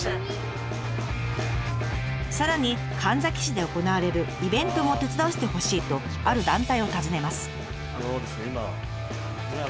さらに神埼市で行われるイベントも手伝わせてほしいとある団体を訪ねます。